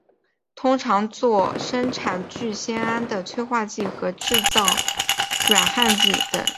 通常作生产聚酰胺的催化剂和制造软焊剂等。